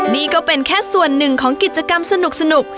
นี่ก็เป็นแค่ส่วนหนึ่งของกิจกรรมสนุก